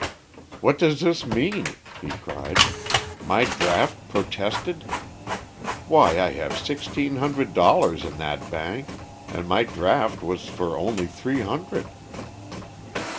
"What does this mean?" he cried; "my draft protested! Why I have sixteen hundred dollars in that bank, and my draft was for only three hundred."